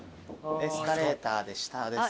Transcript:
エスカレーターで下です。